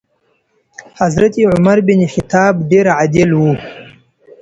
حضرت عمر بن خطاب ډېر عادل و.